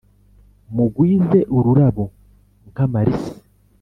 mugwize ururabo nk’amalisi;